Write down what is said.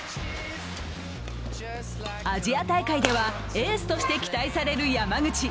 アジア大会ではエースとして期待される山口。